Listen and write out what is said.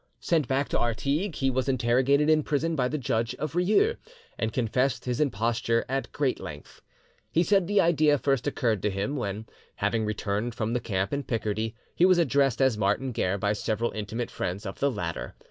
Sent back to Artigues, he was interrogated in prison by the judge of Rieux, and confessed his imposture at great length. He said the idea first occurred to him when, having returned from the camp in Picardy, he was addressed as Martin Guerre by several intimate friends of the latter.